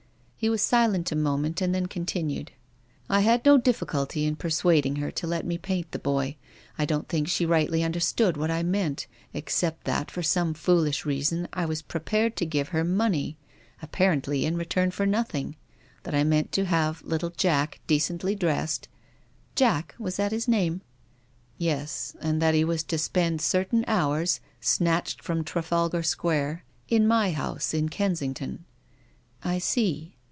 He was silent a moment and then continued: " I had no difificulty in persuading her to let me paint the boy. I don't think she rightly under stood what I meant, except that for some foolish reason I was prepared to give her money, ap parently in return for nothing, that I meant to have little Jack decently dressed —"" Jack — was that his name?" "Yes, and that he was to spend certain hours — snatched from Trafalgar Square — in my house in Kensington." " I see."